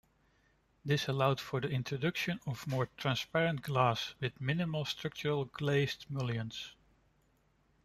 This allowed for the introduction of more transparent glass with minimal structurally glazed mullions.